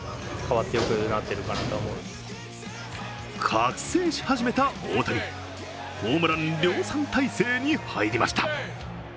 覚醒し始めた大谷ホームラン量産体制に入りました。